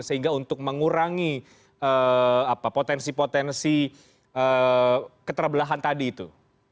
sehingga untuk mengurangi potensi potensi keterbelahan tadi itu